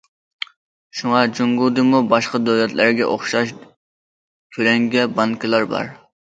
شۇڭا، جۇڭگودىمۇ باشقا دۆلەتلەرگە ئوخشاش كۆلەڭگە بانكىلار بار.